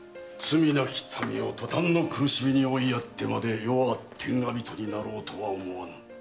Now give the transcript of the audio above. なき民を塗炭の苦しみに追いやってまで余は天下人になろうとは思わぬ。